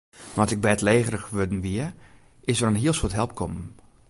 Nei't ik bêdlegerich wurden wie, is der in hiel soad help kommen.